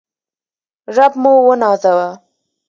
رب موونازوه